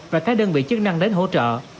và các đơn vị chức năng đến hỗ trợ